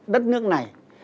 đất nước này